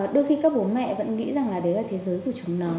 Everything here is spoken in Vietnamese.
đôi khi các bố mẹ vẫn nghĩ rằng là đấy là thế giới của chúng nó